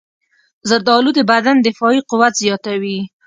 زردالو د بدن دفاعي قوت زیاتوي.